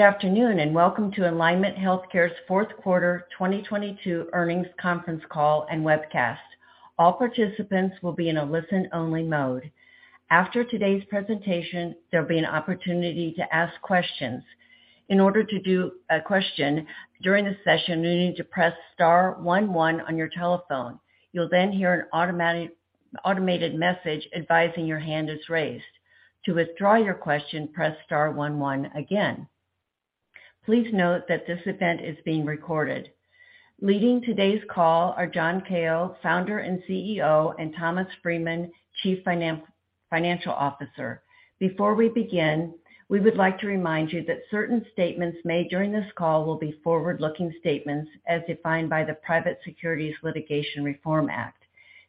Good afternoon, welcome to Alignment Healthcare's fourth quarter 2022 earnings conference call and webcast. All participants will be in a listen-only mode. After today's presentation, there'll be an opportunity to ask questions. In order to do a question during the session, you need to press star one one on your telephone. You'll hear an automated message advising your hand is raised. To withdraw your question, press star one one again. Please note that this event is being recorded. Leading today's call are John Kao, Founder and CEO, and Thomas Freeman, Chief Financial Officer. Before we begin, we would like to remind you that certain statements made during this call will be forward-looking statements as defined by the Private Securities Litigation Reform Act.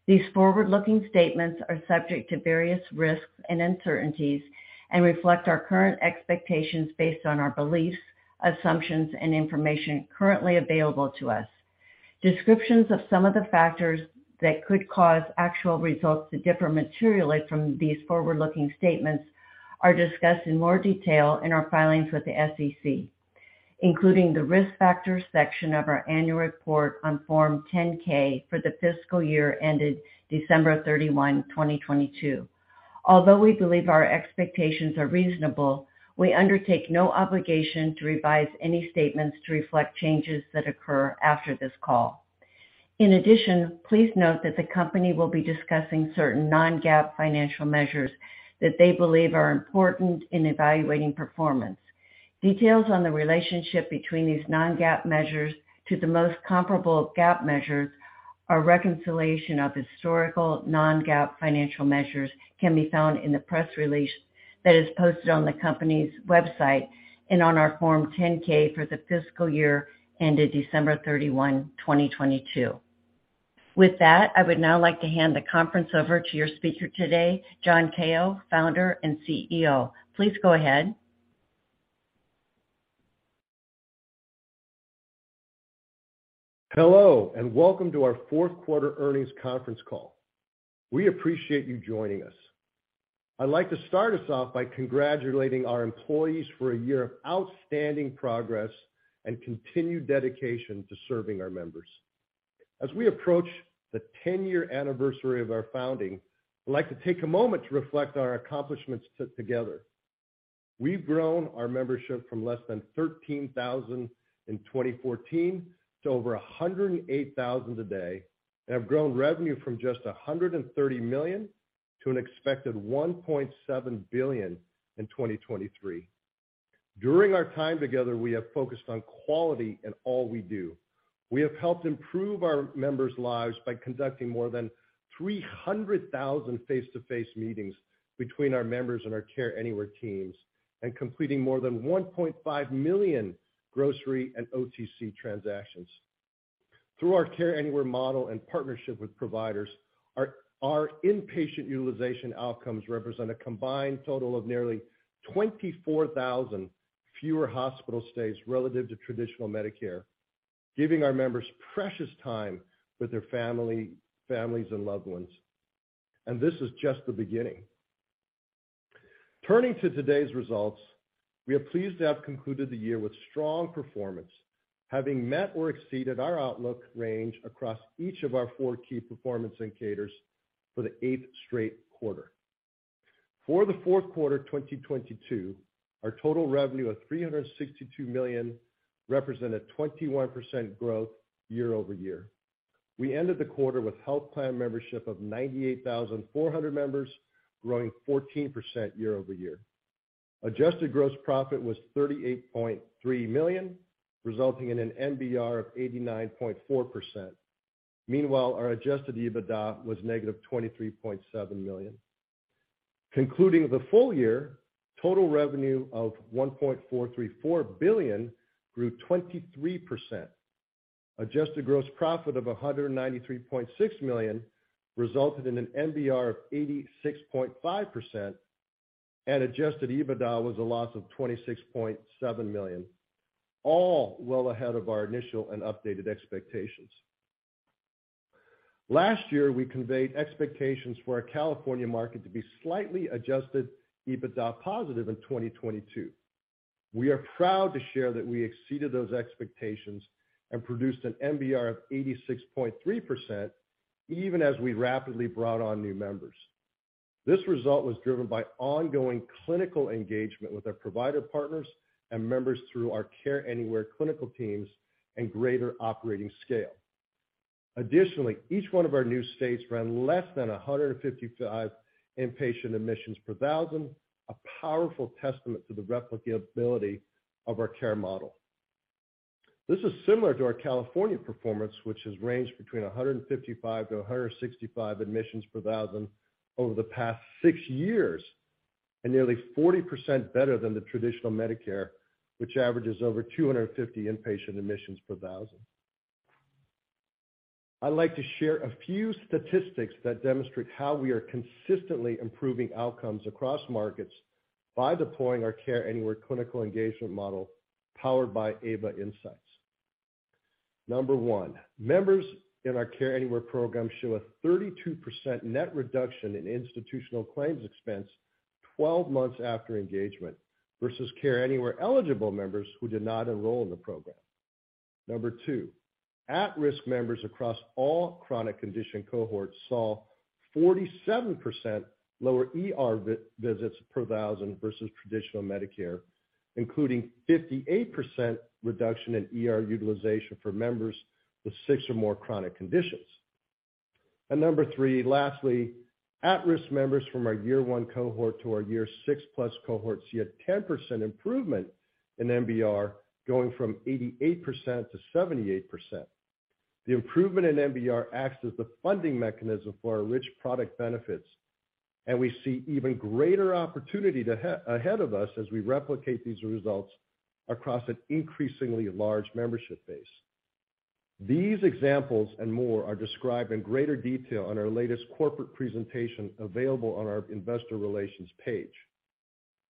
These forward-looking statements are subject to various risks and uncertainties and reflect our current expectations based on our beliefs, assumptions, and information currently available to us. Descriptions of some of the factors that could cause actual results to differ materially from these forward-looking statements are discussed in more detail in our filings with the SEC, including the Risk Factors section of our annual report on Form 10-K for the fiscal year ended December 31, 2022. Although we believe our expectations are reasonable, we undertake no obligation to revise any statements to reflect changes that occur after this call. In addition, please note that the company will be discussing certain non-GAAP financial measures that they believe are important in evaluating performance. Details on the relationship between these non-GAAP measures to the most comparable GAAP measures, our reconciliation of historical non-GAAP financial measures can be found in the press release that is posted on the company's website and on our Form 10-K for the fiscal year ended December 31, 2022. With that, I would now like to hand the conference over to your speaker today, John Kao, Founder and CEO. Please go ahead. Hello, welcome to our fourth quarter earnings conference call. We appreciate you joining us. I'd like to start us off by congratulating our employees for a year of outstanding progress and continued dedication to serving our members. As we approach the 10-year anniversary of our founding, I'd like to take a moment to reflect on our accomplishments together. We've grown our membership from less than 13,000 in 2014 to over 108,000 today, and have grown revenue from just $130 million to an expected $1.7 billion in 2023. During our time together, we have focused on quality in all we do. We have helped improve our members' lives by conducting more than 300,000 face-to-face meetings between our members and our Care Anywhere teams, and completing more than 1.5 million grocery and OTC transactions. Through our Care Anywhere model and partnership with providers, our inpatient utilization outcomes represent a combined total of nearly 24,000 fewer hospital stays relative to traditional Medicare, giving our members precious time with their families and loved ones. This is just the beginning. Turning to today's results, we are pleased to have concluded the year with strong performance, having met or exceeded our outlook range across each of our four key performance indicators for the eighth straight quarter. For the fourth quarter, 2022, our total revenue of $362 million represented 21% growth year-over-year. We ended the quarter with Health Plan membership of 98,400 members, growing 14% year-over-year. Adjusted gross profit was $38.3 million, resulting in an MBR of 89.4%. Our Adjusted EBITDA was -$23.7 million. Concluding the full year, Total Revenue of $1.434 billion grew 23%. Adjusted Gross Profit of $193.6 million resulted in an MBR of 86.5%, and Adjusted EBITDA was a loss of $26.7 million, all well ahead of our initial and updated expectations. Last year, we conveyed expectations for our California market to be slightly Adjusted EBITDA positive in 2022. We are proud to share that we exceeded those expectations and produced an MBR of 86.3%, even as we rapidly brought on new members. This result was driven by ongoing clinical engagement with our provider partners and members through our Care Anywhere clinical teams and greater operating scale. Each one of our new states ran less than 155 inpatient admissions per thousand, a powerful testament to the replicability of our care model. This is similar to our California performance, which has ranged between 155 to 165 admissions per thousand over the past six years, and nearly 40% better than the traditional Medicare, which averages over 250 inpatient admissions per thousand. I'd like to share a few statistics that demonstrate how we are consistently improving outcomes across markets by deploying our Care Anywhere clinical engagement model powered by AVA Insights. Number one, members in our Care Anywhere program show a 32% net reduction in institutional claims expense 12 months after engagement, versus Care Anywhere eligible members who did not enroll in the program. Number two, at-risk members across all chronic condition cohorts saw 47% lower ER visits per thousand versus traditional Medicare, including 58% reduction in ER utilization for members with six or more chronic conditions. Number three, lastly, at-risk members from our year one cohort to our year 6+ cohorts see a 10% improvement in MBR, going from 88% to 78%. The improvement in MBR acts as the funding mechanism for our rich product benefits, and we see even greater opportunity ahead of us as we replicate these results across an increasingly large membership base. These examples and more are described in greater detail on our latest corporate presentation available on our investor relations page.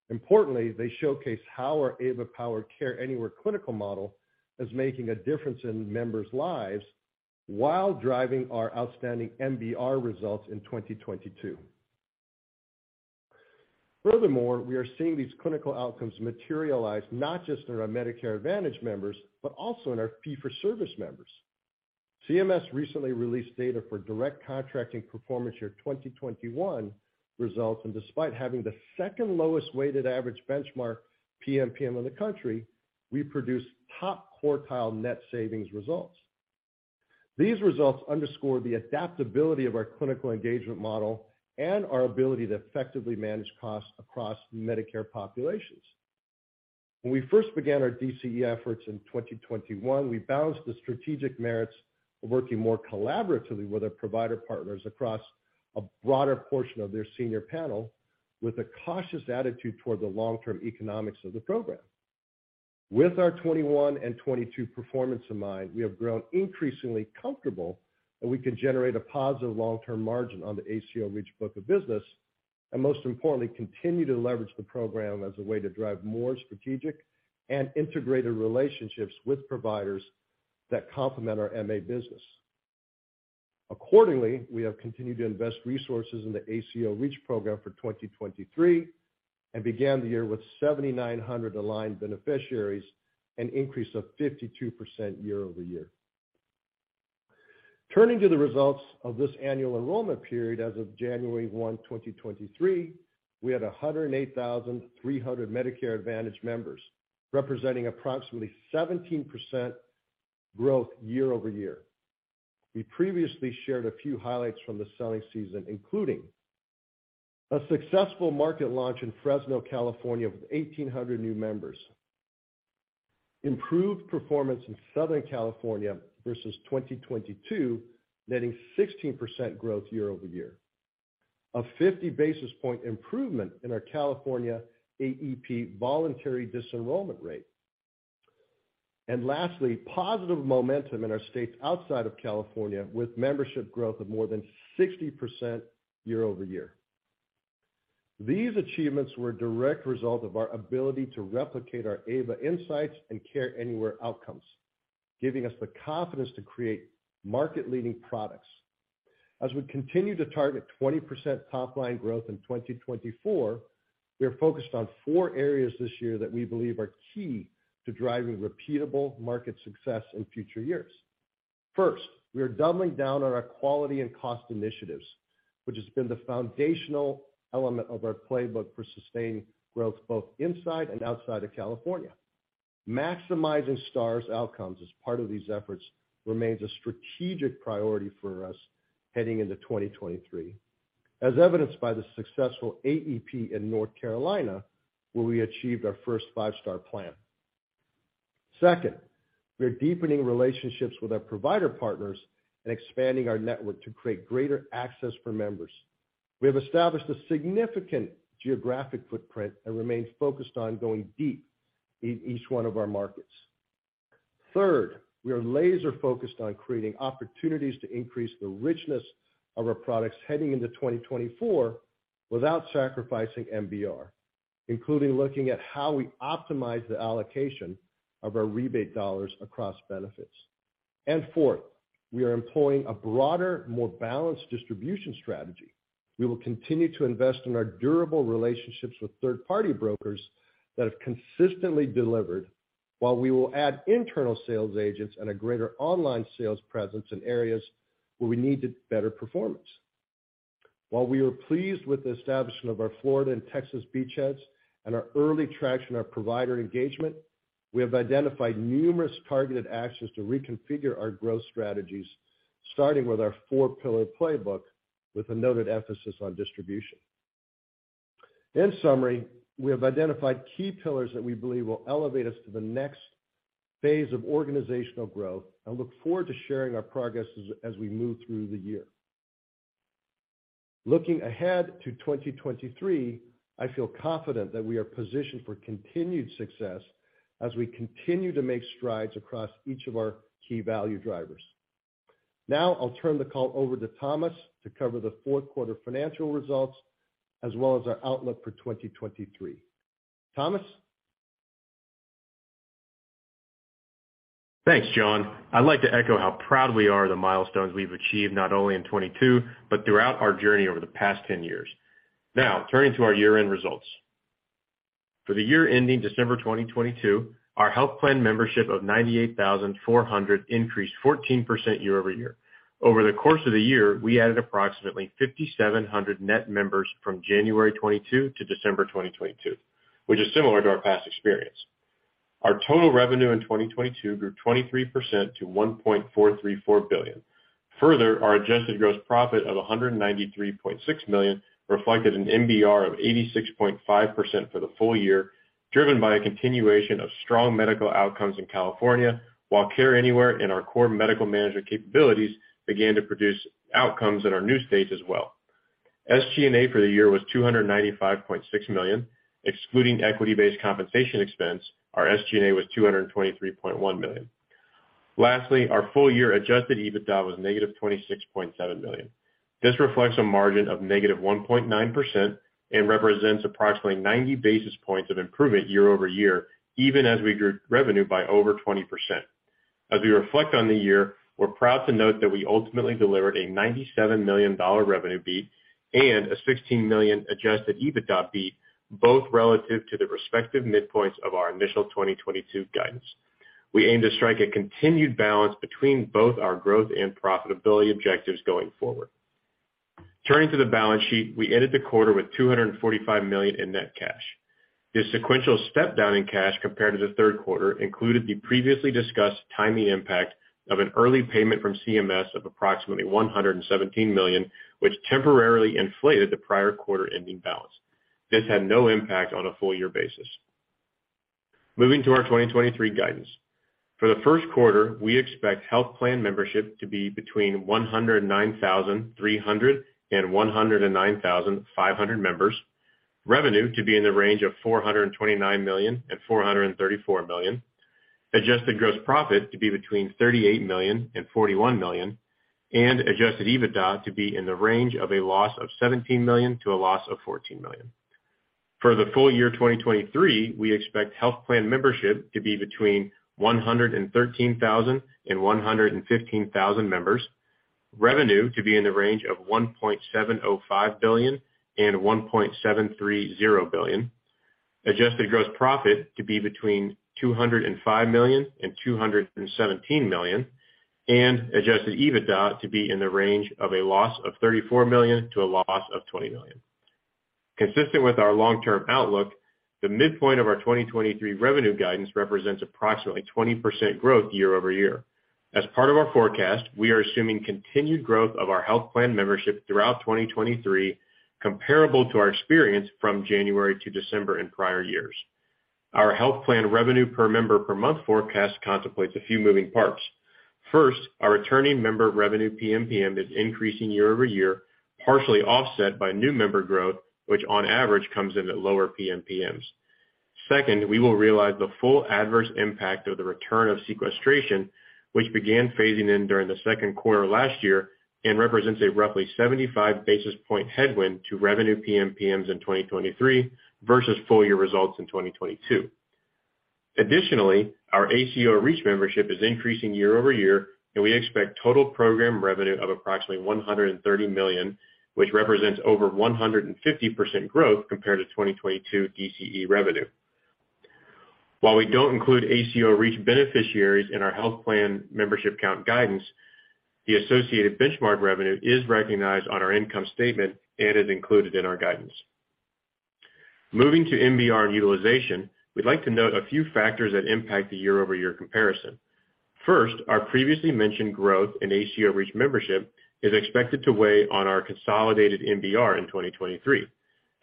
Importantly, they showcase how our AVA-powered Care Anywhere clinical model is making a difference in members' lives while driving our outstanding MBR results in 2022. Furthermore, we are seeing these clinical outcomes materialize not just in our Medicare Advantage members, but also in our fee for service members. CMS recently released data for Direct Contracting performance year 2021 results. Despite having the second lowest weighted average benchmark PMPM in the country, we produced top quartile net savings results. These results underscore the adaptability of our clinical engagement model and our ability to effectively manage costs across Medicare populations. When we first began our DCE efforts in 2021, we balanced the strategic merits of working more collaboratively with our provider partners across a broader portion of their senior panel with a cautious attitude toward the long-term economics of the program. With our 21 and 22 performance in mind, we have grown increasingly comfortable that we can generate a positive long-term margin on the ACO REACH book of business, and most importantly, continue to leverage the program as a way to drive more strategic and integrated relationships with providers that complement our MA business. Accordingly, we have continued to invest resources in the ACO REACH program for 2023 and began the year with 7,900 aligned beneficiaries, an increase of 52% year-over-year. Turning to the results of this annual enrollment period, as of January 1, 2023, we had 108,300 Medicare Advantage members, representing approximately 17% growth year-over-year. We previously shared a few highlights from the selling season, including a successful market launch in Fresno, California, with 1,800 new members. Improved performance in Southern California versus 2022, netting 16% growth year-over-year. A 50 basis point improvement in our California AEP voluntary disenrollment rate. Lastly, positive momentum in our states outside of California with membership growth of more than 60% year-over-year. These achievements were a direct result of our ability to replicate our AVA insights and Care Anywhere outcomes, giving us the confidence to create market-leading products. As we continue to target 20% top line growth in 2024, we are focused on four areas this year that we believe are key to driving repeatable market success in future years. First, we are doubling down on our quality and cost initiatives, which has been the foundational element of our playbook for sustaining growth both inside and outside of California. Maximizing stars outcomes as part of these efforts remains a strategic priority for us heading into 2023, as evidenced by the successful AEP in North Carolina, where we achieved our first five-star plan. Second, we are deepening relationships with our provider partners and expanding our network to create greater access for members. We have established a significant geographic footprint and remain focused on going deep in each one of our markets. Third, we are laser focused on creating opportunities to increase the richness of our products heading into 2024 without sacrificing MBR, including looking at how we optimize the allocation of our rebate dollars across benefits. Fourth, we are employing a broader, more balanced distribution strategy. We will continue to invest in our durable relationships with third-party brokers that have consistently delivered, while we will add internal sales agents and a greater online sales presence in areas where we need better performance. While we are pleased with the establishment of our Florida and Texas beachheads and our early traction on provider engagement, we have identified numerous targeted actions to reconfigure our growth strategies, starting with our four pillar playbook with a noted emphasis on distribution. In summary, we have identified key pillars that we believe will elevate us to the next phase of organizational growth and look forward to sharing our progress as we move through the year. Looking ahead to 2023, I feel confident that we are positioned for continued success as we continue to make strides across each of our key value drivers. I'll turn the call over to Thomas to cover the fourth quarter financial results, as well as our outlook for 2023. Thomas? Thanks, John. I'd like to echo how proud we are of the milestones we've achieved, not only in 2022, but throughout our journey over the past 10 years. Now turning to our year-end results. For the year ending December 2022, our Health Plan membership of 98,400 increased 14% year-over-year. Over the course of the year, we added approximately 5,700 net members from January 2022 to December 2022, which is similar to our past experience. Our Total Revenue in 2022 grew 23% to $1.434 billion. Our Adjusted Gross Profit of $193.6 million reflected an MBR of 86.5% for the full year, driven by a continuation of strong medical outcomes in California, while Care Anywhere and our core medical management capabilities began to produce outcomes in our new states as well. SG&A for the year was $295.6 million. Excluding equity-based compensation expense, our SG&A was $223.1 million. Our full year Adjusted EBITDA was negative $26.7 million. This reflects a margin of -1.9% and represents approximately 90 basis points of improvement year-over-year, even as we grew revenue by over 20%. We reflect on the year, we're proud to note that we ultimately delivered a $97 million revenue beat and a $16 million Adjusted EBITDA beat, both relative to the respective midpoints of our initial 2022 guidance. We aim to strike a continued balance between both our growth and profitability objectives going forward. Turning to the balance sheet, we ended the quarter with $245 million in net cash. This sequential step down in cash compared to the third quarter included the previously discussed timely impact of an early payment from CMS of approximately $117 million, which temporarily inflated the prior quarter ending balance. This had no impact on a full year basis. Moving to our 2023 guidance. For the first quarter, we expect Health Plan membership to be between 109,300 and 109,500 members, Revenue to be in the range of $429 million and $434 million, Adjusted Gross Profit to be between $38 million and $41 million, and Adjusted EBITDA to be in the range of a loss of $17 million to a loss of $14 million. For the full year 2023, we expect Health Plan membership to be between 113,000 and 115,000 members, Revenue to be in the range of $1.705 billion and $1.730 billion, Adjusted Gross Profit to be between $205 million and $217 million, and Adjusted EBITDA to be in the range of a loss of $34 million to a loss of $20 million. Consistent with our long-term outlook, the midpoint of our 2023 Revenue Guidance represents approximately 20% growth year-over-year. As part of our forecast, we are assuming continued growth of our Health Plan membership throughout 2023, comparable to our experience from January to December in prior years. Our Health Plan Revenue Per Member Per Month forecast contemplates a few moving parts. First, our Returning Member Revenue PMPM is increasing year-over-year, partially offset by new member growth, which on average comes in at lower PMPMs. Second, we will realize the full adverse impact of the return of sequestration, which began phasing in during the second quarter last year and represents a roughly 75 basis point headwind to Revenue PMPMs in 2023 versus full year results in 2022. Additionally, our ACO REACH membership is increasing year-over-year, and we expect total program revenue of approximately $130 million, which represents over 150% growth compared to 2022 DCE revenue. While we don't include ACO REACH beneficiaries in our Health Plan membership count guidance, the associated benchmark revenue is recognized on our income statement and is included in our guidance. Moving to MBR and utilization, we'd like to note a few factors that impact the year-over-year comparison. First, our previously mentioned growth in ACO REACH membership is expected to weigh on our consolidated MBR in 2023.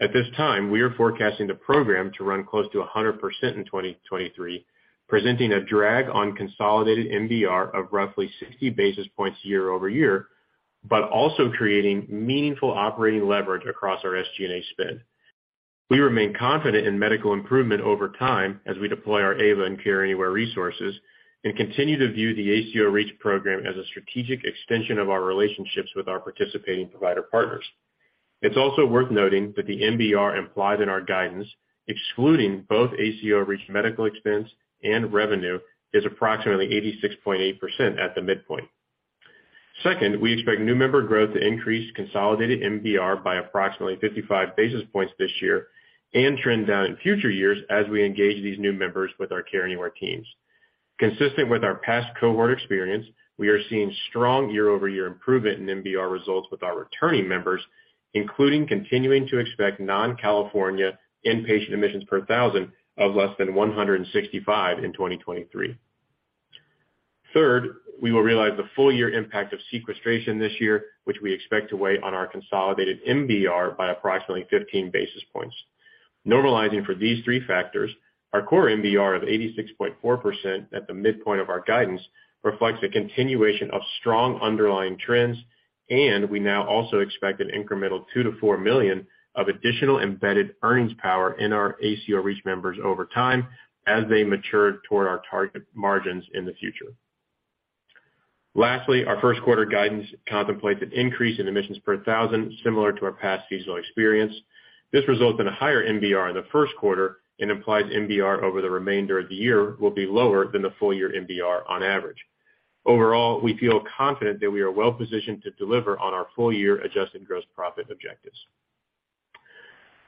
At this time, we are forecasting the program to run close to 100% in 2023, presenting a drag on consolidated MBR of roughly 60 basis points year-over-year, but also creating meaningful operating leverage across our SG&A spend. We remain confident in medical improvement over time as we deploy our AVA and Care Anywhere resources, and continue to view the ACO REACH program as a strategic extension of our relationships with our participating provider partners. It's also worth noting that the MBR implied in our guidance, excluding both ACO REACH medical expense and revenue, is approximately 86.8% at the midpoint. Second, we expect new member growth to increase consolidated MBR by approximately 55 basis points this year and trend down in future years as we engage these new members with our Care Anywhere teams. Consistent with our past cohort experience, we are seeing strong year-over-year improvement in MBR results with our returning members, including continuing to expect non-California inpatient emissions per thousand of less than 165 in 2023. Third, we will realize the full year impact of sequestration this year, which we expect to weigh on our consolidated MBR by approximately 15 basis points. Normalizing for these three factors, our core MBR of 86.4% at the midpoint of our guidance reflects a continuation of strong underlying trends, and we now also expect an incremental $2 million-$4 million of additional embedded earnings power in our ACO REACH members over time as they mature toward our target margins in the future. Lastly, our first quarter guidance contemplates an increase in admissions per thousand, similar to our past seasonal experience. This results in a higher MBR in the first quarter and implies MBR over the remainder of the year will be lower than the full year MBR on average. Overall, we feel confident that we are well-positioned to deliver on our full year Adjusted Gross Profit objectives.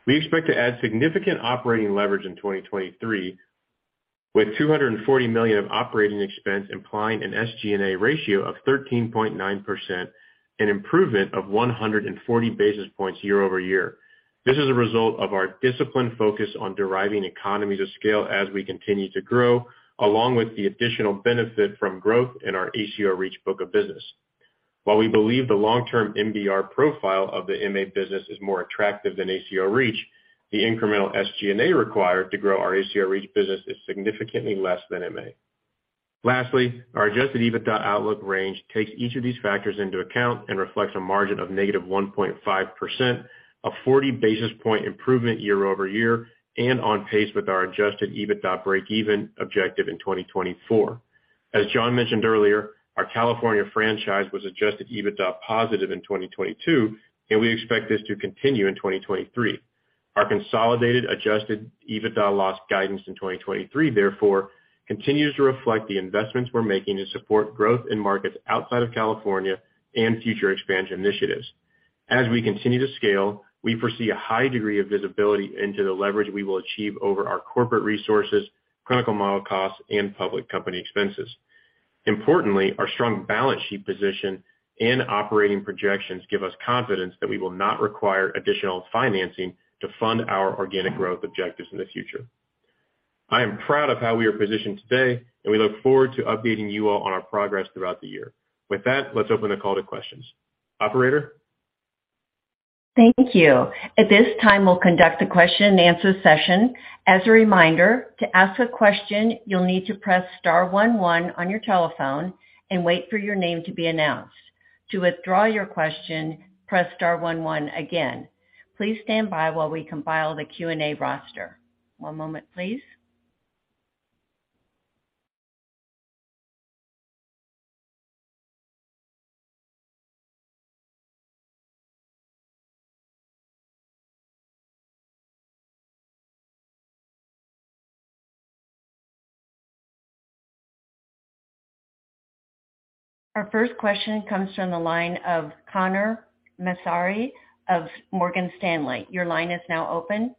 We expect to add significant operating leverage in 2023, with $240 million of Operating Expense, implying an SG&A ratio of 13.9%, an improvement of 140 basis points year-over-year. This is a result of our disciplined focus on deriving economies of scale as we continue to grow, along with the additional benefit from growth in our ACO REACH book of business. While we believe the long-term MBR profile of the MA business is more attractive than ACO REACH, the incremental SG&A required to grow our ACO REACH business is significantly less than MA. Lastly, our Adjusted EBITDA outlook range takes each of these factors into account and reflects a margin of -1.5%, a 40 basis point improvement year-over-year, and on pace with our Adjusted EBITDA breakeven objective in 2024. As John mentioned earlier, our California franchise was Adjusted EBITDA positive in 2022, and we expect this to continue in 2023. Our consolidated Adjusted EBITDA loss guidance in 2023, therefore, continues to reflect the investments we're making to support growth in markets outside of California and future expansion initiatives. As we continue to scale, we foresee a high degree of visibility into the leverage we will achieve over our corporate resources, clinical model costs, and public company expenses. Importantly, our strong balance sheet position and operating projections give us confidence that we will not require additional financing to fund our organic growth objectives in the future. I am proud of how we are positioned today, and we look forward to updating you all on our progress throughout the year. With that, let's open the call to questions. Operator? Thank you. At this time, we'll conduct a question and answer session. As a reminder, to ask a question, you'll need to press star one one on your telephone and wait for your name to be announced. To withdraw your question, press star one one again. Please stand by while we compile the Q&A roster. One moment, please. Our first question comes from the line of Connor Massari of Morgan Stanley. Your line is now open.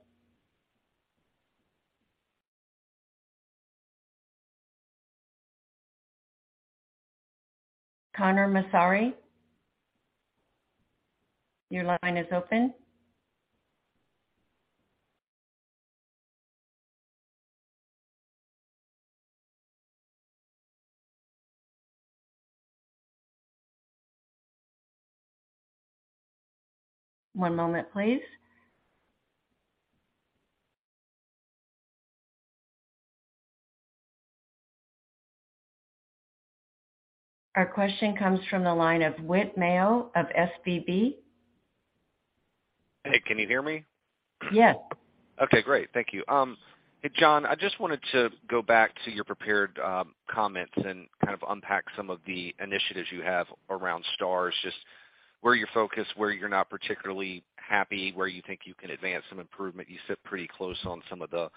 Connor Massari? Your line is open. One moment, please. Our question comes from the line of Whit Mayo of SVB. Hey, can you hear me? Yes. Okay, great. Thank you. Hey, John, I just wanted to go back to your prepared comments and kind of unpack some of the initiatives you have around stars, just where you're focused, where you're not particularly happy, where you think you can advance some improvement. You sit pretty close on some of the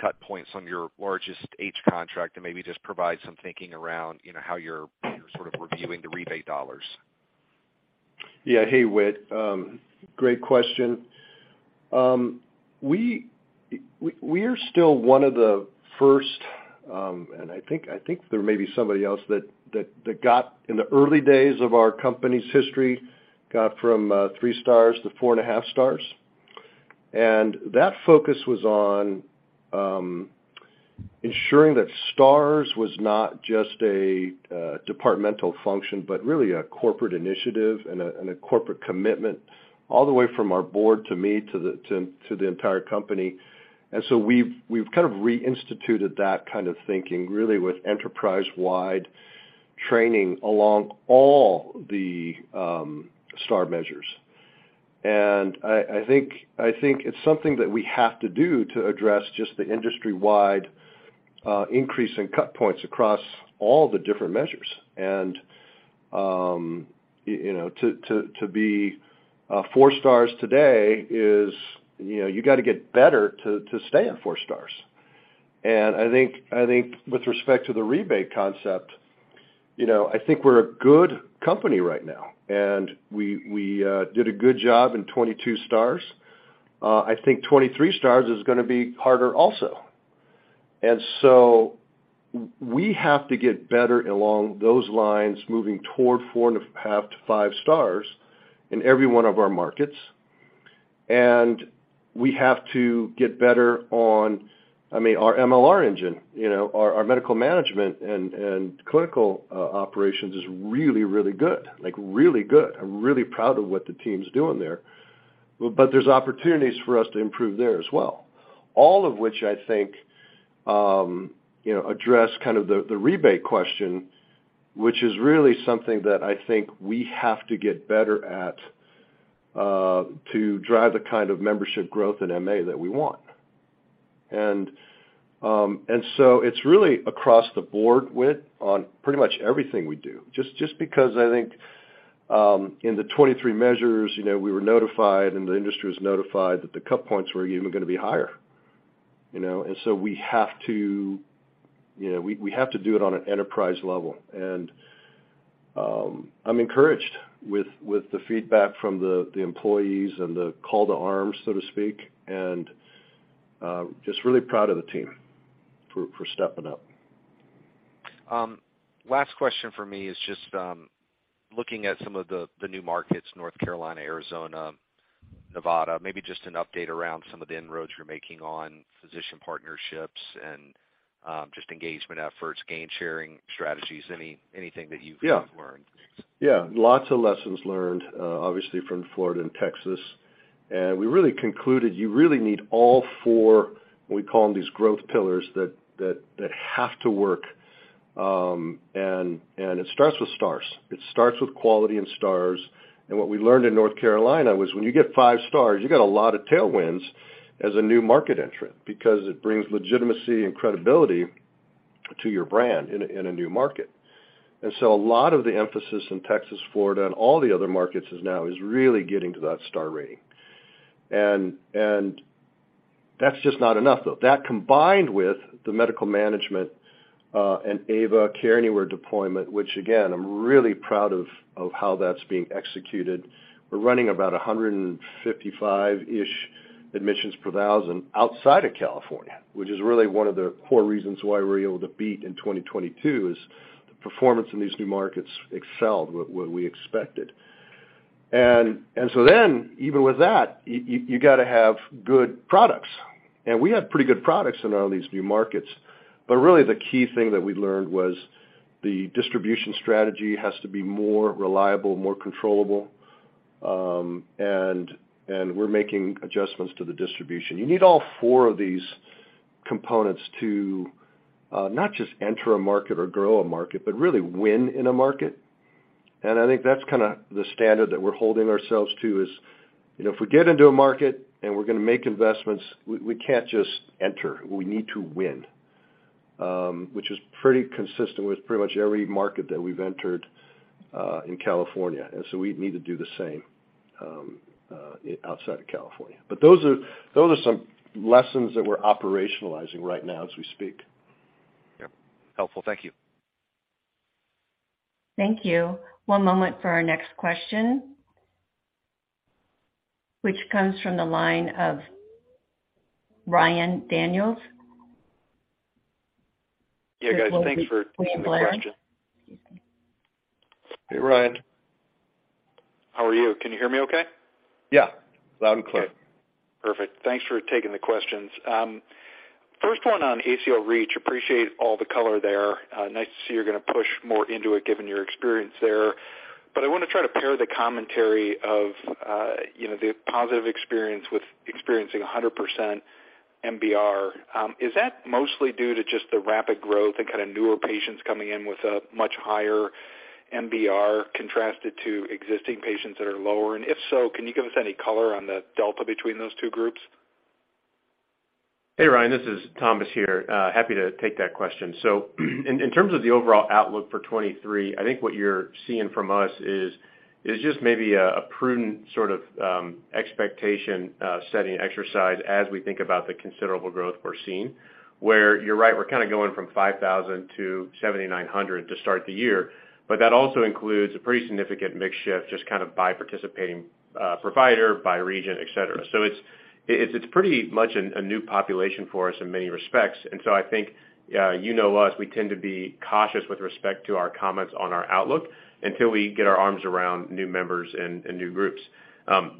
cut points on your largest H contract and maybe just provide some thinking around, you know, how you're sort of reviewing the rebate dollars. Yeah. Hey, Whit. Great question. We're still one of the first, and I think there may be somebody else that got in the early days of our company's history, got from three stars to four and half stars. That focus was on ensuring that stars was not just a departmental function, but really a corporate initiative and a corporate commitment all the way from our board to me to the entire company. So we've kind of reinstituted that kind of thinking really with enterprise-wide training along all the star measures. I think it's something that we have to do to address just the industry-wide increase in cut points across all the different measures. You know, to be four stars today is, you know, you gotta get better to stay at four stars. I think with respect to the rebate concept, you know, I think we're a good company right now, and we did a good job in 22 stars. I think 23 stars is gonna be harder also. We have to get better along those lines moving toward four and a half to five stars in every one of our markets, and we have to get better on, I mean, our MLR engine. You know, our medical management and clinical operations is really good. Like, really good. I'm really proud of what the team's doing there. There's opportunities for us to improve there as well. All of which I think, you know, address kind of the rebate question, which is really something that I think we have to get better at, to drive the kind of membership growth in MA that we want. It's really across the board with on pretty much everything we do. Just because I think in the 23 measures, you know, we were notified and the industry was notified that the cut points were even gonna be higher, you know. We have to, you know, we have to do it on an enterprise level. I'm encouraged with the feedback from the employees and the call to arms, so to speak, and just really proud of the team for stepping up. Last question for me is just, looking at some of the new markets, North Carolina, Arizona, Nevada, maybe just an update around some of the inroads you're making on physician partnerships and, just engagement efforts, gain sharing strategies, anything that you've learned? Yeah. Yeah. Lots of lessons learned, obviously from Florida and Texas. We really concluded you really need all four, we call them these growth pillars that have to work, and it starts with stars. It starts with quality and stars. What we learned in North Carolina was when you get five stars, you get a lot of tailwinds as a new market entrant because it brings legitimacy and credibility to your brand in a new market. A lot of the emphasis in Texas, Florida, and all the other markets is now is really getting to that star rating. That's just not enough, though. That combined with the medical management, and AVA Care Anywhere deployment, which again, I'm really proud of how that's being executed. We're running about 155-ish admissions per 1,000 outside of California, which is really one of the core reasons why we're able to beat in 2022 is the performance in these new markets excelled what we expected. Even with that, you gotta have good products. We have pretty good products in all these new markets. Really the key thing that we learned was the distribution strategy has to be more reliable, more controllable, and we're making adjustments to the distribution. You need all four of these components to not just enter a market or grow a market, but really win in a market. I think that's kinda the standard that we're holding ourselves to is, you know, if we get into a market, and we're gonna make investments, we can't just enter. We need to win, which is pretty consistent with pretty much every market that we've entered in California. We need to do the same outside of California. Those are some lessons that we're operationalizing right now as we speak. Yep. Helpful. Thank you. Thank you. One moment for our next question, which comes from the line of Ryan Daniels. Yeah, guys. Thanks for taking the question. With Wolfe Research. Excuse me. Hey, Ryan. How are you? Can you hear me okay? Yeah. Loud and clear. Okay. Perfect. Thanks for taking the questions. First one on ACO REACH. Appreciate all the color there. Nice to see you're gonna push more into it given your experience there. I wanna try to pair the commentary of, you know, the positive experience with experiencing 100% MBR. Is that mostly due to just the rapid growth and kinda newer patients coming in with a much higher MBR contrasted to existing patients that are lower? If so, can you give us any color on the delta between those two groups? Hey, Ryan. This is Thomas here. Happy to take that question. In, in terms of the overall outlook for 23, I think what you're seeing from us is just maybe a prudent sort of expectation setting exercise as we think about the considerable growth we're seeing, where you're right, we're kinda going from 5,000 to 7,900 to start the year. That also includes a pretty significant mix shift just kind of by participating provider, by region, et cetera. It's, it's pretty much a new population for us in many respects. I think, you know us, we tend to be cautious with respect to our comments on our outlook until we get our arms around new members and new groups.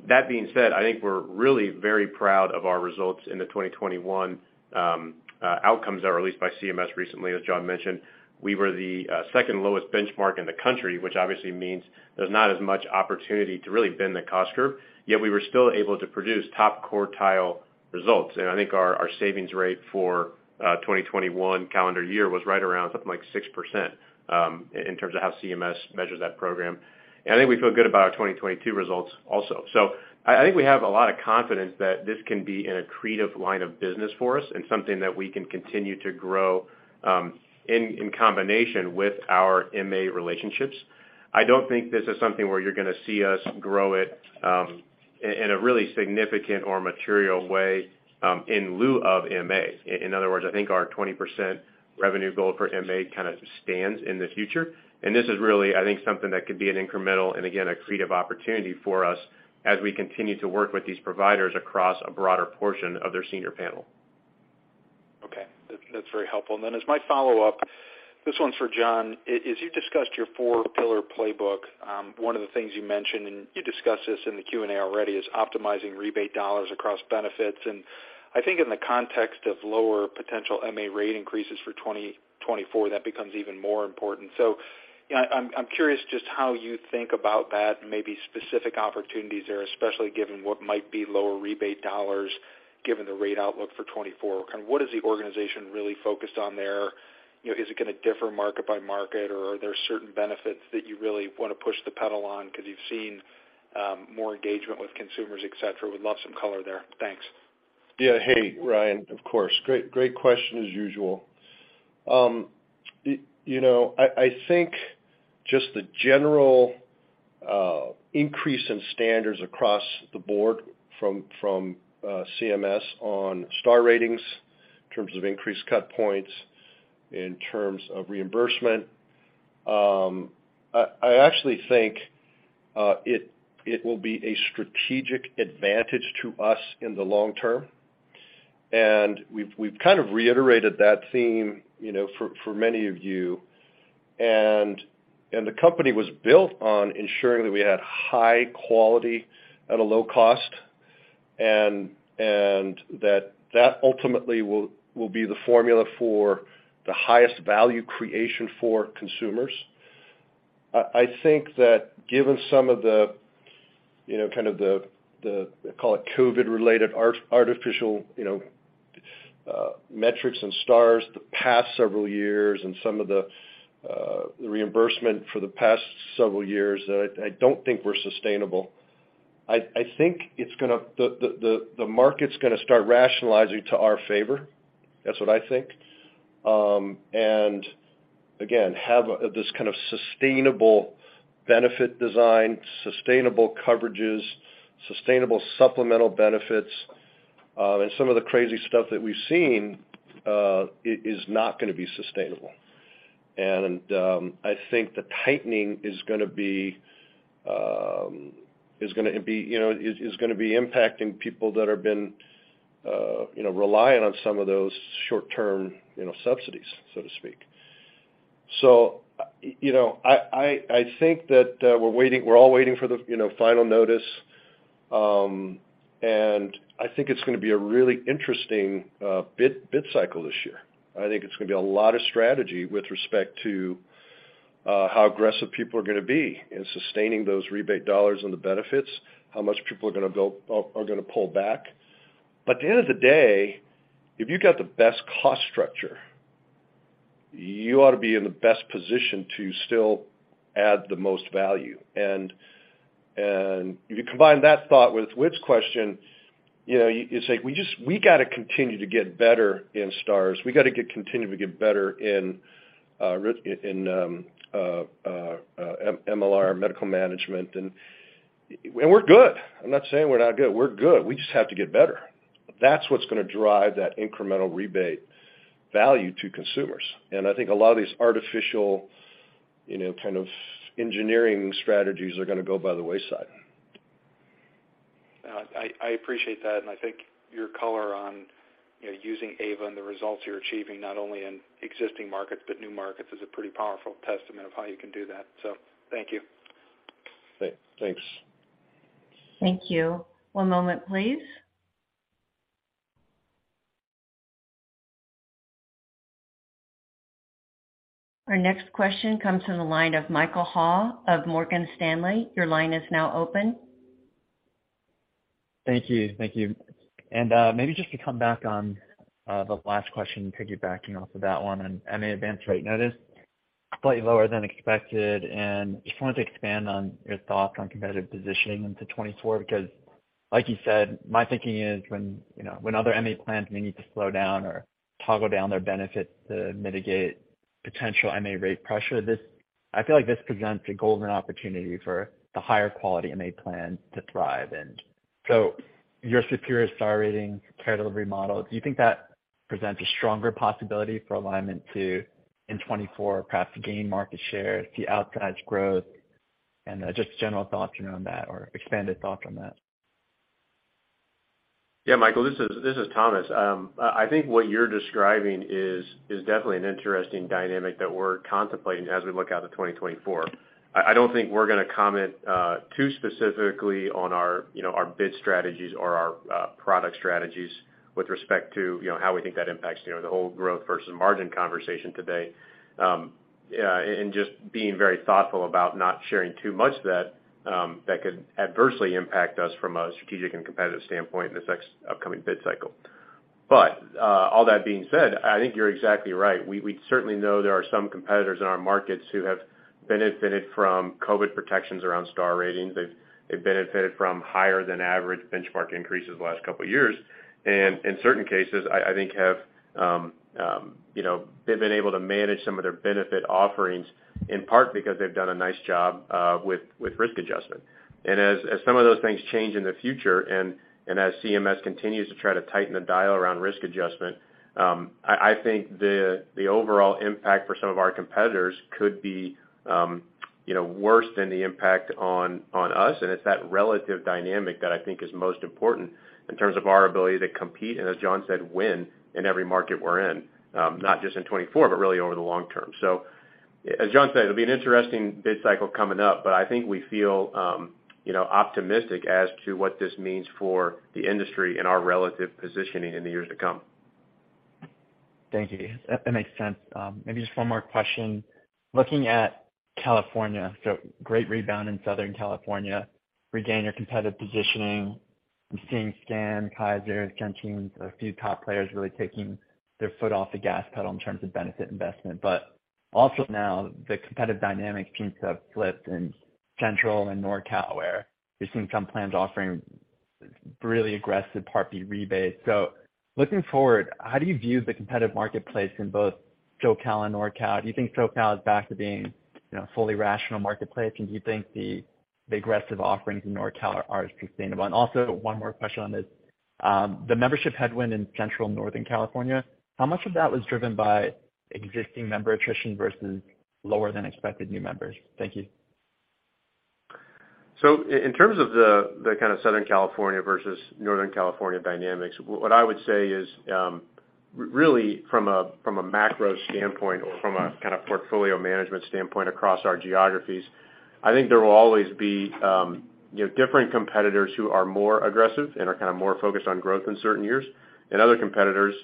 That being said, I think we're really very proud of our results in the 2021 outcomes that were released by CMS recently, as Jon mentioned. We were the second lowest benchmark in the country, which obviously means there's not as much opportunity to really bend the cost curve, yet we were still able to produce top quartile results. I think our savings rate for 2021 calendar year was right around something like 6% in terms of how CMS measures that program. I think we feel good about our 2022 results also. I think we have a lot of confidence that this can be an accretive line of business for us and something that we can continue to grow in combination with our MA relationships. I don't think this is something where you're gonna see us grow it, in a really significant or material way, in lieu of MA. In other words, I think our 20% revenue goal for MA kinda stands in the future. This is really, I think, something that could be an incremental and again, accretive opportunity for us as we continue to work with these providers across a broader portion of their senior panel. Okay. That's very helpful. Then as my follow-up, this one's for Jon. As you've discussed your four pillar playbook, one of the things you mentioned, and you discussed this in the Q&A already, is optimizing rebate dollars across benefits. I think in the context of lower potential MA rate increases for 2024, that becomes even more important. You know, I'm curious just how you think about that, maybe specific opportunities there, especially given what might be lower rebate dollars given the rate outlook for 2024. Kind of what is the organization really focused on there? You know, is it gonna differ market by market, or are there certain benefits that you really wanna push the pedal on because you've seen more engagement with consumers, et cetera. Would love some color there. Thanks. Yeah. Hey, Ryan, of course. Great question as usual. you know, I think just the general increase in standards across the board from CMS on star ratings in terms of increased cut points, in terms of reimbursement, I actually think it will be a strategic advantage to us in the long term. We've kind of reiterated that theme, you know, for many of you. The company was built on ensuring that we had high quality at a low cost, and that ultimately will be the formula for the highest value creation for consumers. I think that given some of the, you know, kind of the, call it COVID-related artificial, you know, metrics and stars the past several years and some of the reimbursement for the past several years, I don't think we're sustainable. I think the market's gonna start rationalizing to our favor. That's what I think. Again, have this kind of sustainable benefit design, sustainable coverages, sustainable supplemental benefits. Some of the crazy stuff that we've seen is not gonna be sustainable. I think the tightening is gonna be impacting people that have been, you know, reliant on some of those short-term, you know, subsidies, so to speak. You know, I think that we're all waiting for the, you know, final notice. I think it's gonna be a really interesting bid cycle this year. I think it's gonna be a lot of strategy with respect to how aggressive people are gonna be in sustaining those rebate dollars and the benefits, how much people are gonna pull back. At the end of the day, if you've got the best cost structure, you ought to be in the best position to still add the most value. If you combine that thought with Whit's question, you know, you say, we gotta continue to get better in stars. We gotta continue to get better in MLR medical management. We're good. I'm not saying we're not good. We're good. We just have to get better. That's what's gonna drive that incremental rebate value to consumers. I think a lot of these artificial, you know, kind of engineering strategies are gonna go by the wayside. I appreciate that. I think your color on, you know, using AVA and the results you're achieving, not only in existing markets but new markets, is a pretty powerful testament of how you can do that. Thank you. Thanks. Thank you. One moment, please. Our next question comes from the line of Michael Ha of Morgan Stanley. Your line is now open. Thank you. Thank you. Maybe just to come back on, the last question, piggybacking off of that one on MA advance rate notice, slightly lower than expected. Just wanted to expand on your thoughts on competitive positioning into 2024, because like you said, my thinking is when, you know, when other MA plans may need to slow down or toggle down their benefits to mitigate potential MA rate pressure, I feel like this presents a golden opportunity for the higher quality MA plan to thrive. Your superior star rating care delivery model, do you think that presents a stronger possibility for Alignment to, in 2024, perhaps gain market share to outsize growth? Just general thoughts around that or expanded thoughts on that. Yeah, Michael, this is Thomas. I think what you're describing is definitely an interesting dynamic that we're contemplating as we look out to 2024. I don't think we're gonna comment too specifically on our, you know, our bid strategies or our product strategies with respect to, you know, how we think that impacts, you know, the whole growth versus margin conversation today. And just being very thoughtful about not sharing too much that could adversely impact us from a strategic and competitive standpoint in this upcoming bid cycle. All that being said, I think you're exactly right. We certainly know there are some competitors in our markets who have benefited from COVID protections around star ratings. They've benefited from higher than average benchmark increases the last couple of years. In certain cases, I think, have, you know, they've been able to manage some of their benefit offerings, in part because they've done a nice job with risk adjustment. As some of those things change in the future and as CMS continues to try to tighten the dial around risk adjustment, I think the overall impact for some of our competitors could be, you know, worse than the impact on us. It's that relative dynamic that I think is most important in terms of our ability to compete, and as John said, win in every market we're in, not just in 2024, but really over the long term. As John said, it'll be an interesting bid cycle coming up, but I think we feel, you know, optimistic as to what this means for the industry and our relative positioning in the years to come. Thank you. That, that makes sense. Maybe just one more question. Looking at California, great rebound in Southern California, regain your competitive positioning. We've seen SCAN, Kaiser, Centene, a few top players really taking their foot off the gas pedal in terms of benefit investment. Also now the competitive dynamics seems to have flipped in Central and Nor Cal, where we've seen some plans offering really aggressive Part B rebates. Looking forward, how do you view the competitive marketplace in both SoCal and NorCal? Do you think So Cal is back to being, you know, a fully rational marketplace? Do you think the aggressive offerings in Nor Cal are sustainable? Also one more question on this. The membership headwind in Central Northern California, how much of that was driven by existing member attrition versus lower than expected new members? Thank you. In terms of the kind of Southern California versus Northern California dynamics, what I would say is, really from a, from a macro standpoint or from a kind of portfolio management standpoint across our geographies, I think there will always be, you know, different competitors who are more aggressive and are kind of more focused on growth in certain years, and other competitors,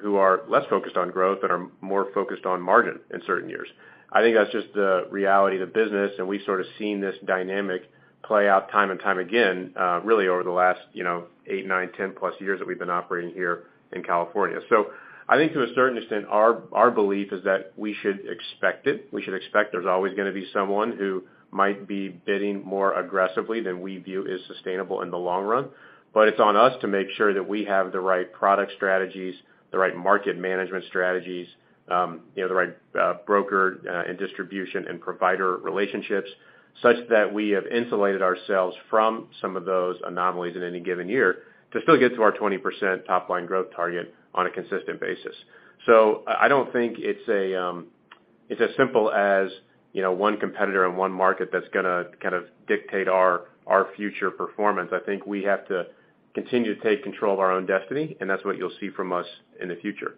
who are less focused on growth, but are more focused on margin in certain years. I think that's just the reality of the business, and we've sort of seen this dynamic play out time and time again, really over the last, you know, eight, nine, 10+ years that we've been operating here in California. I think to a certain extent, our belief is that we should expect it. We should expect there's always gonna be someone who might be bidding more aggressively than we view is sustainable in the long run. It's on us to make sure that we have the right product strategies, the right market management strategies, you know, the right broker and distribution and provider relationships, such that we have insulated ourselves from some of those anomalies in any given year to still get to our 20% top line growth target on a consistent basis. I don't think it's as simple as, you know, one competitor in one market that's gonna kind of dictate our future performance. I think we have to continue to take control of our own destiny, and that's what you'll see from us in the future.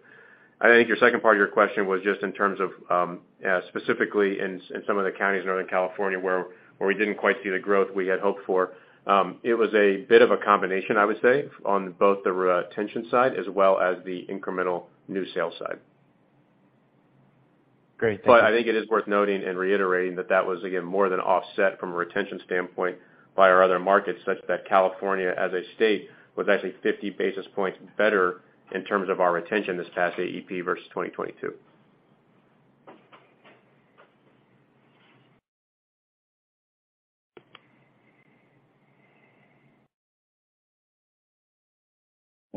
I think your second part of your question was just in terms of, specifically in some of the counties in Northern California where we didn't quite see the growth we had hoped for. It was a bit of a combination, I would say, on both the retention side as well as the incremental new sales side. Great. Thank you. I think it is worth noting and reiterating that that was, again, more than offset from a retention standpoint by our other markets, such that California as a state was actually 50 basis points better in terms of our retention this past AEP versus 2022.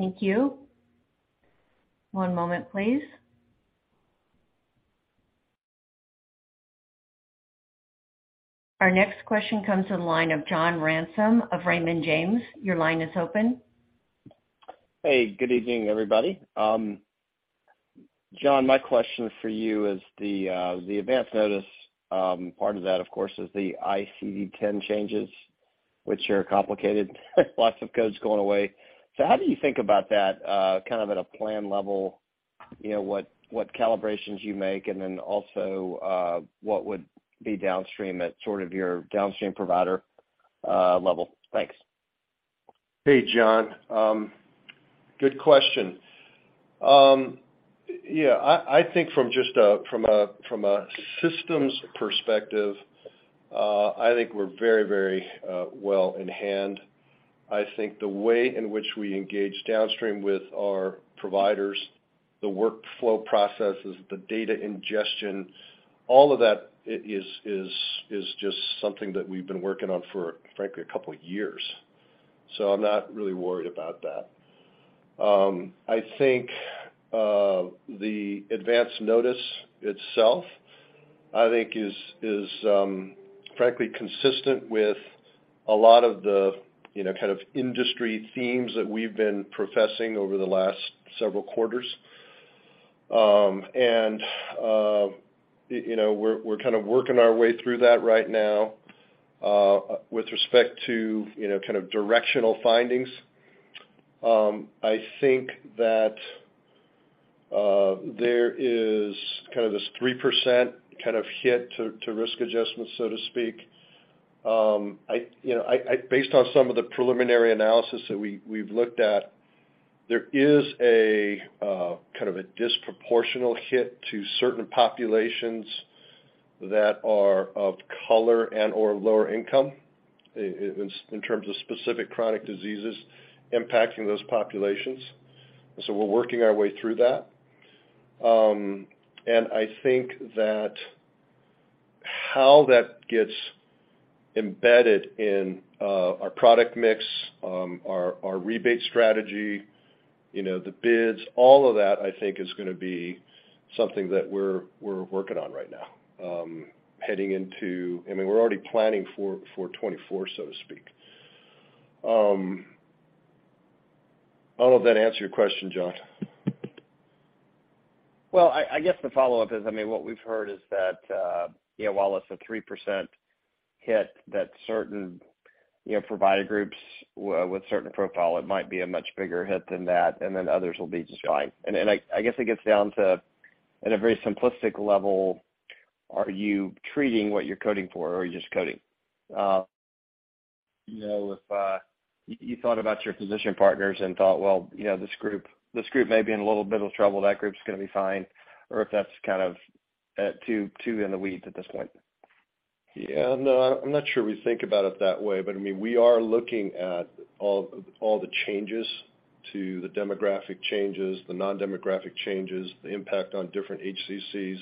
Thank you. One moment, please. Our next question comes in line of John Ransom of Raymond James. Your line is open. Hey, good evening, everybody. John, my question for you is the advance notice, part of that, of course, is the ICD-10 changes, which are complicated, lots of codes going away. How do you think about that kind of at a plan level, you know, what calibrations you make and then also what would be downstream at sort of your downstream provider level? Thanks. Hey, John. Good question. Yeah, I think from just a from a systems perspective, I think we're very well in hand. I think the way in which we engage downstream with our providers, the workflow processes, the data ingestion, all of that is just something that we've been working on for, frankly, a couple of years. I'm not really worried about that. I think the advance notice itself, I think is frankly consistent with a lot of the, you know, kind of industry themes that we've been professing over the last several quarters. You know, we're kind of working our way through that right now, with respect to, you know, kind of directional findings. I think that there is this 3% hit to risk adjustments, so to speak. I, you know, based on some of the preliminary analysis that we've looked at, there is a disproportional hit to certain populations that are of color and/or lower income in terms of specific chronic diseases impacting those populations. We're working our way through that. I think that how that gets embedded in our product mix, our rebate strategy, you know, the bids, all of that, I think is gonna be something that we're working on right now, I mean, we're already planning for 2024, so to speak. I don't know if that answered your question, John. Well, I guess the follow-up is, I mean, what we've heard is that, you know, while it's a 3% hit that certain, you know, provider groups with certain profile, it might be a much bigger hit than that, and then others will be just fine. I guess it gets down to, at a very simplistic level, are you treating what you're coding for or are you just coding? You know, if, you thought about your physician partners and thought, well, you know, this group may be in a little bit of trouble, that group's gonna be fine, or if that's kind of, too in the weeds at this point. Yeah, no, I'm not sure we think about it that way, but I mean, we are looking at all the changes to the demographic changes, the non-demographic changes, the impact on different HCCs.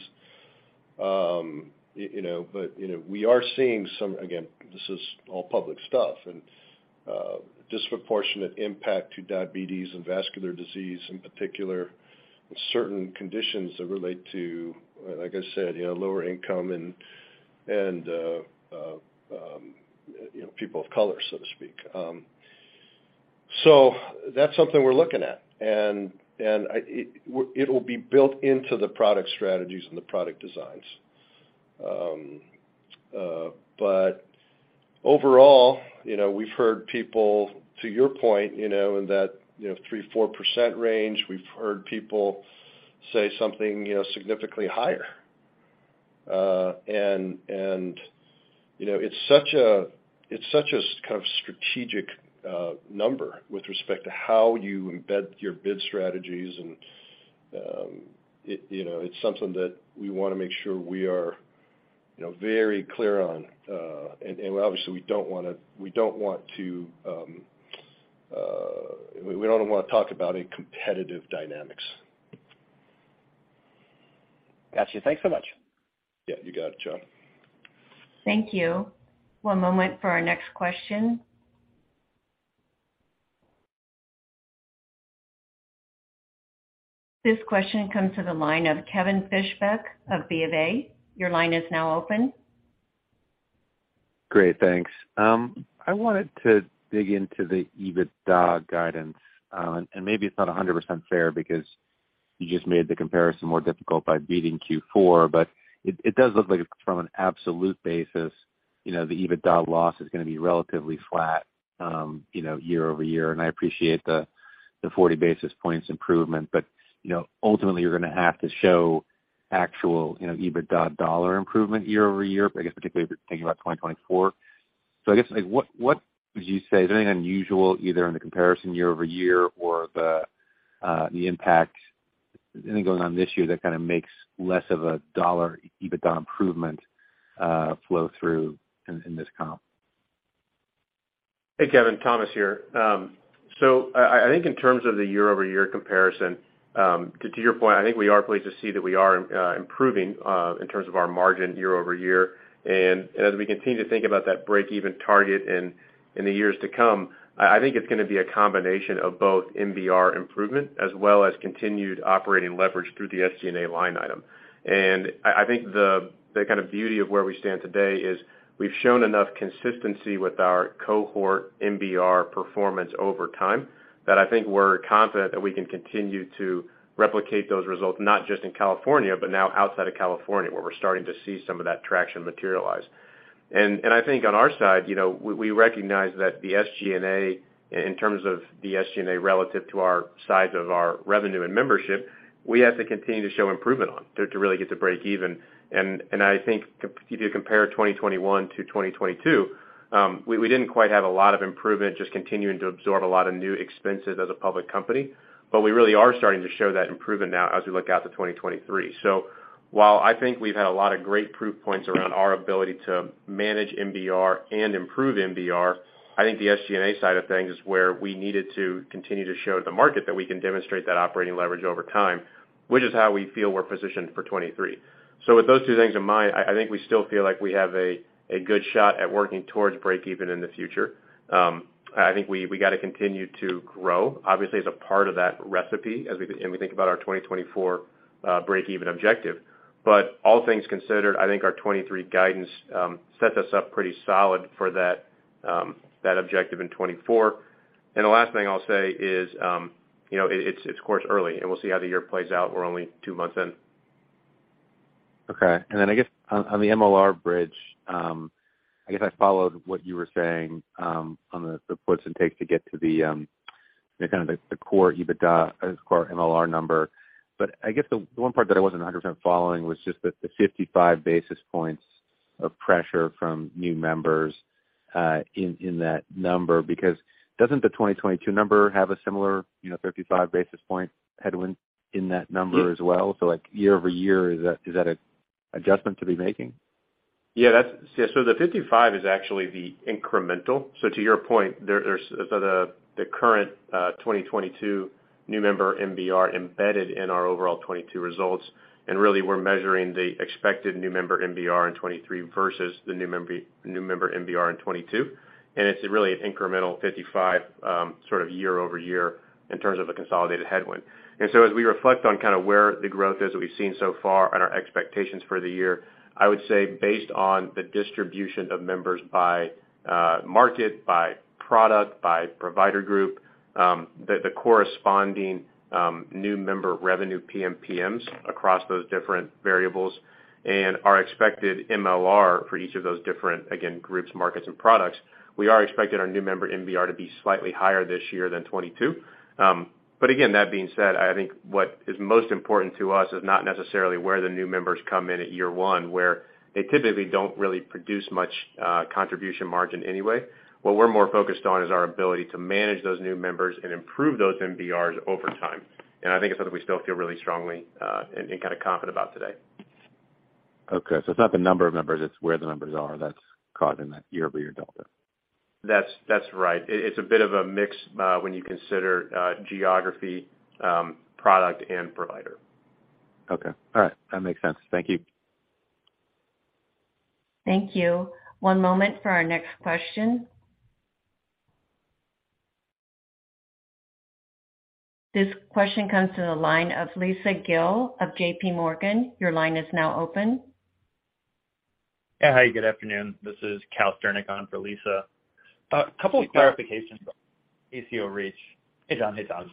you know, but, you know, we are seeing some. Again, this is all public stuff and disproportionate impact to diabetes and vascular disease, in particular, certain conditions that relate to, like I said, you know, lower income and, you know, people of color, so to speak. It will be built into the product strategies and the product designs. Overall, you know, we've heard people, to your point, you know, in that, you know, 3%, 4% range, we've heard people say something, you know, significantly higher. You know, it's such a kind of strategic number with respect to how you embed your bid strategies and, it, you know, it's something that we wanna make sure we are, you know, very clear on. Obviously, we don't want to, we don't wanna talk about any competitive dynamics. Got you. Thanks so much. Yeah, you got it, John. Thank you. One moment for our next question. This question comes to the line of Kevin Fischbeck of Bank of America. Your line is now open. Great, thanks. I wanted to dig into the EBITDA guidance. Maybe it's not 100% fair because you just made the comparison more difficult by beating Q4. It does look like from an absolute basis, you know, the EBITDA loss is gonna be relatively flat, you know, year-over-year, and I appreciate the 40 basis points improvement. You know, ultimately, you're gonna have to show actual, you know, EBITDA dollar improvement year-over-year, but I guess particularly if you're thinking about 2024. I guess, like, what would you say? Is there anything unusual either in the comparison year-over-year or the impact, anything going on this year that kind of makes less of a dollar EBITDA improvement, flow through in this comp? Hey, Kevin. Thomas here. I think in terms of the year-over-year comparison, to your point, I think we are pleased to see that we are improving in terms of our margin year-over-year. As we continue to think about that break-even target in the years to come, I think it's gonna be a combination of both MBR improvement as well as continued operating leverage through the SG&A line item. I think the kind of beauty of where we stand today is we've shown enough consistency with our cohort MBR performance over time, that I think we're confident that we can continue to replicate those results, not just in California, but now outside of California, where we're starting to see some of that traction materialize. I think on our side, you know, we recognize that the SG&A, in terms of the SG&A relative to our size of our revenue and membership, we have to continue to show improvement on to really get to break even. I think if you compare 2021 to 2022, we didn't quite have a lot of improvement, just continuing to absorb a lot of new expenses as a public company. We really are starting to show that improvement now as we look out to 2023. While I think we've had a lot of great proof points around our ability to manage MBR and improve MBR, I think the SG&A side of things is where we needed to continue to show the market that we can demonstrate that operating leverage over time, which is how we feel we're positioned for 2023. With those two things in mind, I think we still feel like we have a good shot at working towards breakeven in the future. I think we got to continue to grow, obviously, as a part of that recipe as we think about our 2024 breakeven objective. All things considered, I think our 2023 guidance sets us up pretty solid for that objective in 2024. The last thing I'll say is, you know, it's, of course, early, and we'll see how the year plays out. We're only two months in. I guess on the MLR bridge, I guess I followed what you were saying, on the puts and takes to get to the, kind of the core EBITDA, core MLR number. I guess the one part that I wasn't 100% following was just the 55 basis points of pressure from new members, in that number, because doesn't the 2022 number have a similar, you know, 55 basis point headwind in that number as well? Year-over-year, is that, is that an adjustment to be making? Yeah, that's. Yeah. The 55 is actually the incremental. To your point, there's the current 2022 new member MBR embedded in our overall 2022 results. Really, we're measuring the expected new member MBR in 2023 versus the new member MBR in 2022. It's really an incremental 55 sort of year-over-year in terms of a consolidated headwind. As we reflect on kind of where the growth is that we've seen so far and our expectations for the year, I would say based on the distribution of members by market, by product, by provider group, the corresponding new member revenue PMPMs across those different variables and our expected MLR for each of those different, again, groups, markets, and products, we are expecting our new member MBR to be slightly higher this year than 22. Again, that being said, I think what is most important to us is not necessarily where the new members come in at year one, where they typically don't really produce much contribution margin anyway. What we're more focused on is our ability to manage those new members and improve those MBRs over time. I think it's something we still feel really strongly, and kind of confident about today. Okay, it's not the number of members, it's where the members are that's causing that year-over-year delta. That's right. It's a bit of a mix when you consider geography, product and provider. Okay. All right. That makes sense. Thank you. Thank you. One moment for our next question. This question comes to the line of Lisa Gill of J.P. Morgan. Your line is now open. Yeah. Hi, good afternoon. This is Cal Sternick for Lisa. A couple of clarifications, ACO REACH. Hey, John. Hey, Thomas.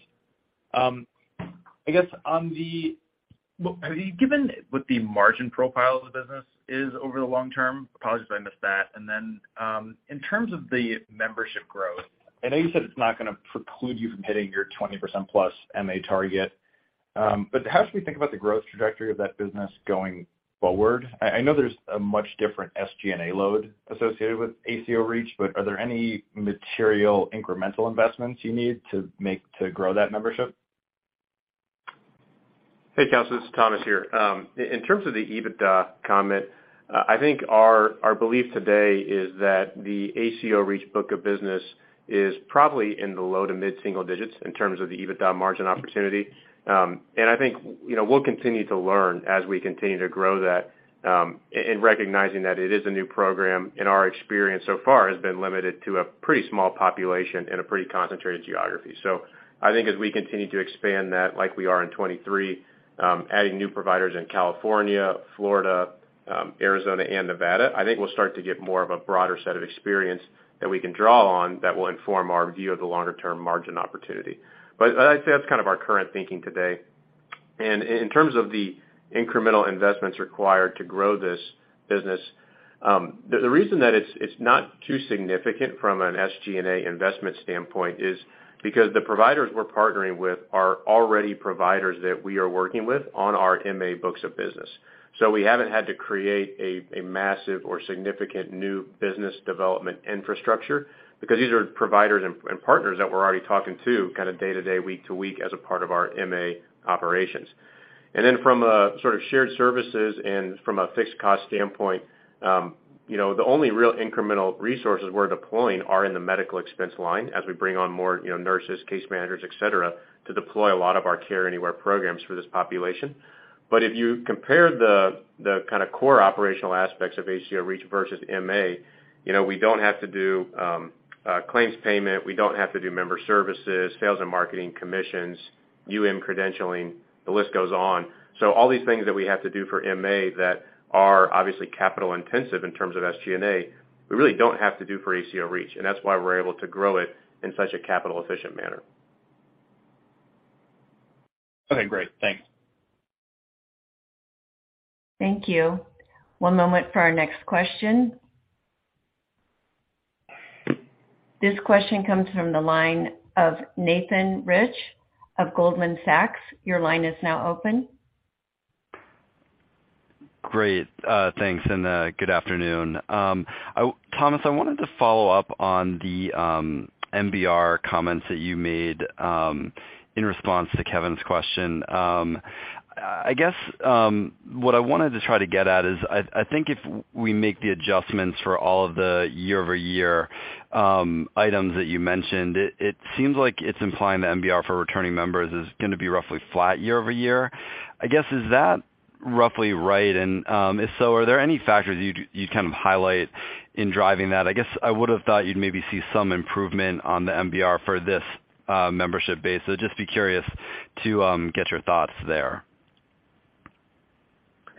Well, given what the margin profile of the business is over the long term, apologies if I missed that, and then, in terms of the membership growth, I know you said it's not gonna preclude you from hitting your 20%+ MA target, how should we think about the growth trajectory of that business going forward? I know there's a much different SG&A load associated with ACO REACH, but are there any material incremental investments you need to make to grow that membership? Hey, Cal, this is Thomas here. In terms of the EBITDA comment, I think our belief today is that the ACO REACH book of business is probably in the low to mid-single digits in terms of the EBITDA margin opportunity. I think, you know, we'll continue to learn as we continue to grow that, in recognizing that it is a new program, and our experience so far has been limited to a pretty small population in a pretty concentrated geography. I think as we continue to expand that like we are in 23, adding new providers in California, Florida, Arizona and Nevada, I think we'll start to get more of a broader set of experience that we can draw on that will inform our view of the longer term margin opportunity. I'd say that's kind of our current thinking today. In terms of the incremental investments required to grow this business, the reason that it's not too significant from an SG&A investment standpoint is because the providers we're partnering with are already providers that we are working with on our MA books of business. We haven't had to create a massive or significant new business development infrastructure because these are providers and partners that we're already talking to kind of day to day, week to week as a part of our MA operations. From a sort of shared services and from a fixed cost standpoint, you know, the only real incremental resources we're deploying are in the medical expense line as we bring on more, you know, nurses, case managers, et cetera, to deploy a lot of our Care Anywhere programs for this population. If you compare the kind of core operational aspects of ACO REACH versus MA, you know, we don't have to do claims payment, we don't have to do member services, sales and marketing commissions, UM credentialing, the list goes on. All these things that we have to do for MA that are obviously capital intensive in terms of SG&A, we really don't have to do for ACO REACH, that's why we're able to grow it in such a capital efficient manner. Okay, great. Thanks. Thank you. One moment for our next question. This question comes from the line of Nathan Rich of Goldman Sachs. Your line is now open. Great. Thanks, good afternoon. Thomas, I wanted to follow up on the MBR comments that you made in response to Kevin's question. I guess, what I wanted to try to get at is I think if we make the adjustments for all of the year-over-year items that you mentioned, it seems like it's implying the MBR for returning members is gonna be roughly flat year-over-year. I guess, is that roughly right? If so, are there any factors you'd kind of highlight in driving that? I guess I would've thought you'd maybe see some improvement on the MBR for this membership base. Just be curious to get your thoughts there.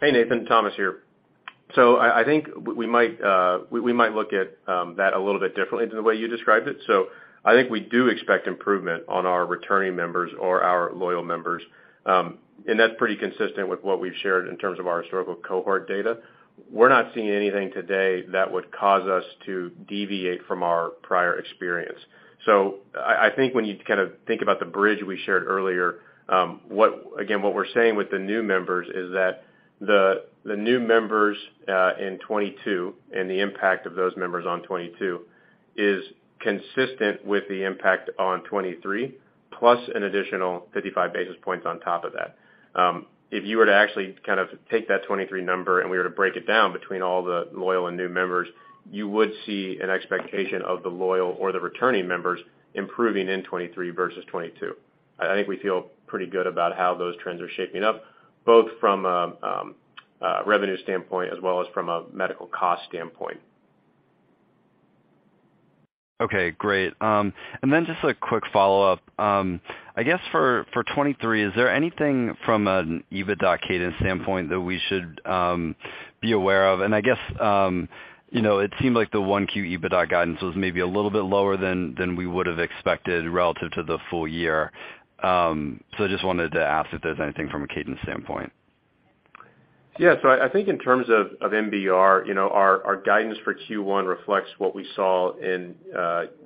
Hey, Nathan. Thomas here. I think we might look at that a little bit differently to the way you described it. I think we do expect improvement on our returning members or our loyal members. That's pretty consistent with what we've shared in terms of our historical cohort data. We're not seeing anything today that would cause us to deviate from our prior experience. I think when you kind of think about the bridge we shared earlier, again, what we're saying with the new members is that the new members in 2022 and the impact of those members on 2022 is consistent with the impact on 2023, plus an additional 55 basis points on top of that. If you were to actually kind of take that 2023 number and we were to break it down between all the loyal and new members, you would see an expectation of the loyal or the returning members improving in 2023 versus 2022. I think we feel pretty good about how those trends are shaping up, both from a revenue standpoint as well as from a medical cost standpoint. Okay, great. Just a quick follow-up. I guess for 2023, is there anything from an EBITDA cadence standpoint that we should be aware of? I guess, you know, it seemed like the 1Q EBITDA guidance was maybe a little bit lower than we would've expected relative to the full year. I just wanted to ask if there's anything from a cadence standpoint. I think in terms of MBR, you know, our guidance for Q1 reflects what we saw in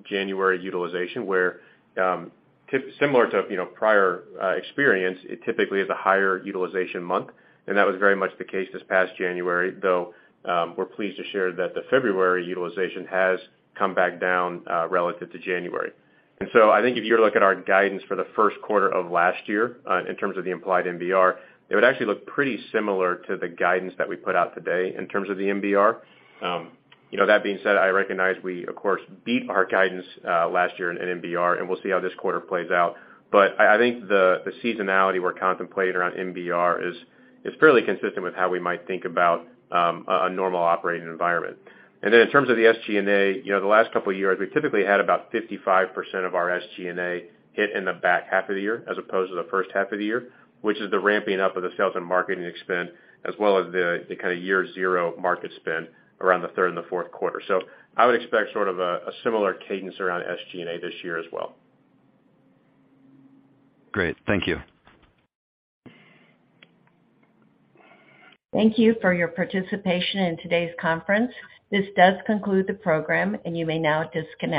January utilization, where, similar to, you know, prior experience, it typically is a higher utilization month, and that was very much the case this past January, though, we're pleased to share that the February utilization has come back down, relative to January. I think if you were to look at our guidance for the first quarter of last year, in terms of the implied MBR, it would actually look pretty similar to the guidance that we put out today in terms of the MBR. You know, that being said, I recognize we of course beat our guidance last year in MBR, and we'll see how this quarter plays out. I think the seasonality we're contemplating around MBR is fairly consistent with how we might think about a normal operating environment. In terms of the SG&A, you know, the last couple of years, we typically had about 55% of our SG&A hit in the back half of the year as opposed to the first half of the year, which is the ramping up of the sales and marketing spend, as well as the kinda year zero market spend around the third and the fourth quarter. I would expect sort of a similar cadence around SG&A this year as well. Great. Thank you. Thank you for your participation in today's conference. This does conclude the program. You may now disconnect.